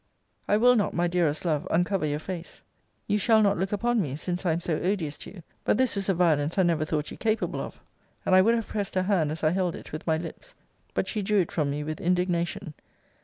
I will not, my dearest love, uncover your face. You shall not look upon me, since I am so odious to you. But this is a violence I never thought you capable of. And I would have pressed her hand, as I held it, with my lips; but she drew it from me with indignation.